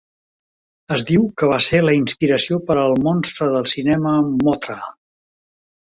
Es diu que va ser la inspiració per al monstre del cinema Mothra.